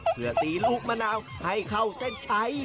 เพื่อตีลูกมะนาวให้เข้าเส้นชัย